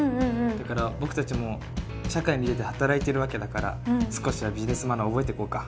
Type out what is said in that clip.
だから僕たちも社会に出て働いているわけだから少しはビジネスマナー覚えていこうか。